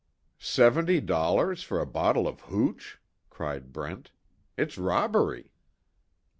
"Seventy dollars for a bottle of hooch!" cried Brent, "It's robbery!"